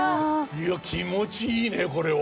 いや気持ちいいねこれは。